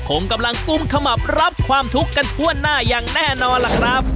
คงกำลังกุ้มขมับรับความทุกข์กันทั่วหน้าอย่างแน่นอนล่ะครับ